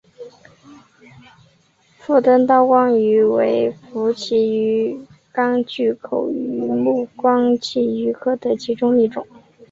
腹灯刀光鱼为辐鳍鱼纲巨口鱼目光器鱼科的其中一种。